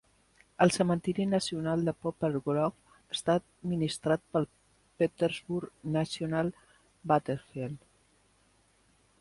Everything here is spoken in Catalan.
El cementiri nacional de Poplar Grove està administrar pel Petersburg National Battlefield.